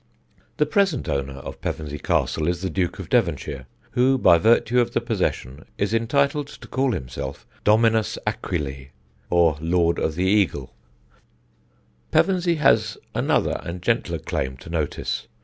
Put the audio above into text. The present owner of Pevensey Castle is the Duke of Devonshire, who by virtue of the possession is entitled to call himself Dominus Aquilæ, or Lord of the Eagle. [Sidenote: LETTER WRITING] Pevensey has another and gentler claim to notice.